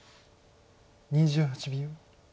２８秒。